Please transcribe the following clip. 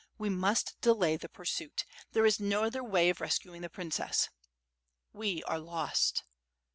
"We must delay the pursuit. There is no trther way of rescuing the princess." "We are lost."